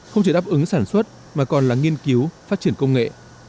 không chỉ đáp ứng sản xuất mà còn là nghiên cứu phát triển công nghệ